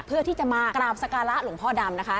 เพื่อที่จะมากราบสการะหลวงพ่อดำนะคะ